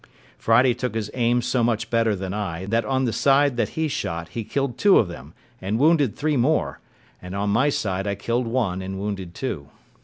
Friday took his aim so much better than I, that on the side that he shot he killed two of them, and wounded three more; and on my side I killed one, and wounded two.